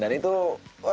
dan itu wah